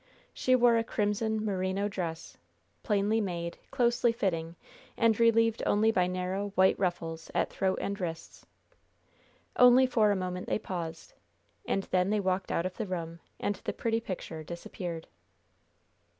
She wore a crimson, merino dress, plainly made, closely fitting, and relieved only by narrow, white ruffles at throat and wrists. Only for a moment they paused, and then they walked out of the room, and the pretty picture disappeared.